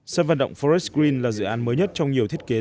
sân vận động forex green là dự án mới nhất trong nhiều thiết kế